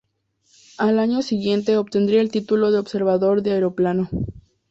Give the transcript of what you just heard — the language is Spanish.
Al año siguiente obtendría el título de observador de aeroplano.